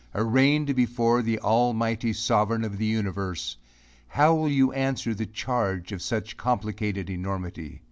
Arraigned before the almighty Sovereign of the universe, how will you answer the charge of such complicated enormity?